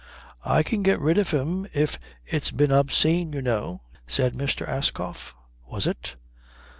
"I can get rid of him if it's been obscene, you know," said Mr. Ascough. "Was it?"